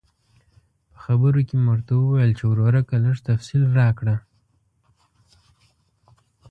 په خبرو کې مې ورته وویل چې ورورکه لږ تفصیل راکړه.